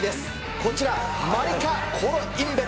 こちら、マリカ・コロインベテ。